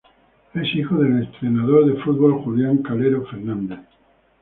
Es hijo del entrenador de fútbol Julián Calero Fernández.